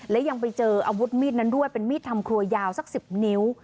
และยังไปเจออาวุธมีดนั้นด้วยเป็นมีดทำครัวยาวสัก๑๐นิ้ว